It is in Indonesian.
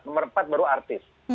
nomor empat baru artis